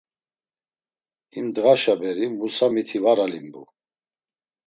Him ndğaşa beri Musa miti var alimbu.